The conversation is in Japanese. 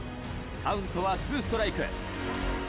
カウントは２ストライク。